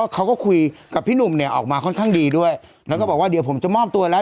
เขาก็คุยกับพี่หนุ่มเนี่ยออกมาค่อนข้างดีด้วยแล้วก็บอกว่าเดี๋ยวผมจะมอบตัวแล้ว